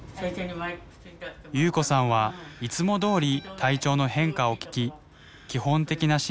夕子さんはいつもどおり体調の変化を聞き基本的な診察を進めていきます。